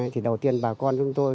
thì đầu tiên bà con chúng tôi